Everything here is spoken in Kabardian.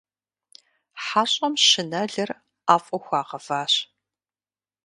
ХьэщӀэм щынэлыр ӀэфӀу хуагъэващ.